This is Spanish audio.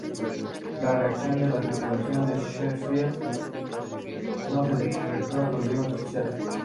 La reacción de la tripulación del "Sheffield" "no se reflejó en los libros oficiales".